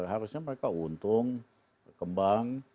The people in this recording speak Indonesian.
harusnya mereka untung kembang